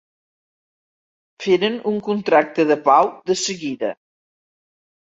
Feren un contracte de pau de seguida.